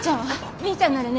みーちゃんならね